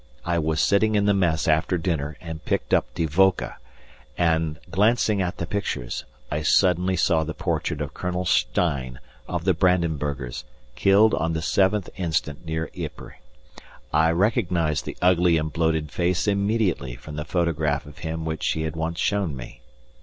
I was sitting in the Mess after dinner, and picked up Die Woche, and glancing at the pictures, I suddenly saw the portrait of Colonel Stein, of the Brandenburgers, killed on the 7th instant near Ypres. I recognized the ugly and bloated face immediately from the photograph of him which she had once shown me.